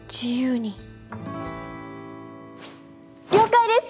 了解です！